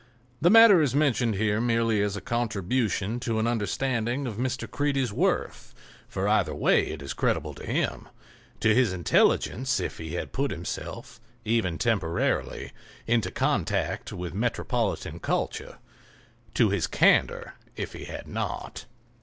The matter is mentioned here merely as a contribution to an understanding of Mr. Creede's worth, for either way it is creditable to him—to his intelligence if he had put himself, even temporarily, into contact with metropolitan culture; to his candor if he had not.